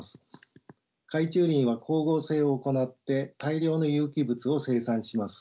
海中林は光合成を行って大量の有機物を生産します。